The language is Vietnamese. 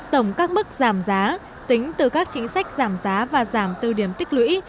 tổng các mức giảm giá tính từ các chính sách giảm giá và giảm từ điểm tích lũy